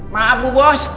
maap bu bos